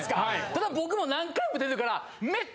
ただ僕も何回も出てるから。